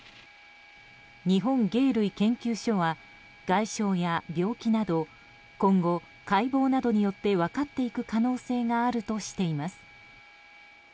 日本鯨類研究所は外傷や病気など今後、解剖などによって分かっていく可能性があるとしています。